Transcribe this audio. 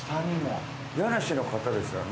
家主の方ですよね？